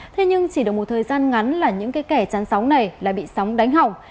thế nhưng chỉ được một thời gian ngắn là những kẻ chăn sóng này lại bị sóng đánh hỏng